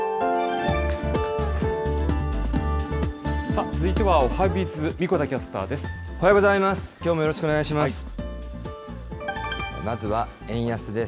さあ、続いてはおはＢｉｚ、神子田キャスターです。